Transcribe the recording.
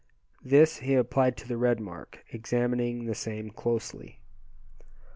This he applied to the red mark, examining the same closely.